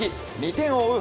２点を追う